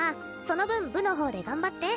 その分部の方で頑張って？